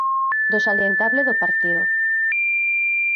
Do salientable do partido.